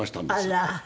あら。